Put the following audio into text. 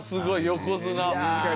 横綱。